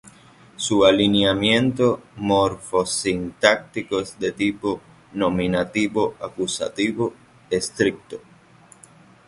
Su alineamiento morfosintáctico es de tipo nominativo-acusativo estricto.